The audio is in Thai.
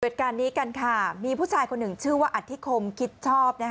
เหตุการณ์นี้กันค่ะมีผู้ชายคนหนึ่งชื่อว่าอธิคมคิดชอบ